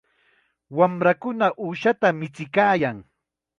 Wamrakuna uushata michiykaayan.